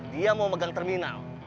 dia mau megang terminal